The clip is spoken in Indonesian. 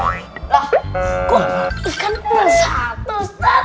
kok ikan pulsa tuh ustaz